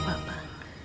nolong ke rumah